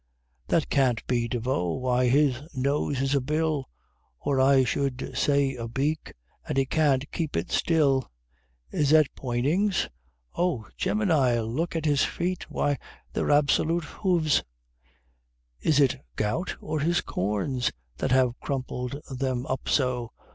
_ That can't be De Vaux why, his nose is a bill, Or, I would say a beak! and he can't keep it still! Is that Poynings? Oh, Gemini! look at his feet!! Why, they're absolute hoofs! is it gout or his corns, That have crumpled them up so?